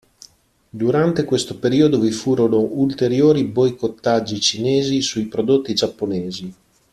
Durante questo periodo vi furono ulteriori boicottaggi cinesi sui prodotti giapponesi.